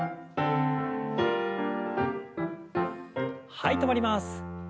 はい止まります。